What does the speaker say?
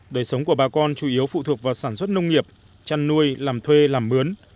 đời sống của bà con chủ yếu phụ thuộc vào sản xuất nông nghiệp chăn nuôi làm thuê làm mướn